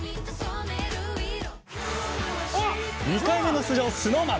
２回目の出場ＳｎｏｗＭａｎ。